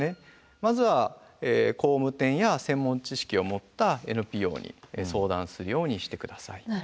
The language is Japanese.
まずは工務店や専門知識を持ったＮＰＯに相談するようにして下さい。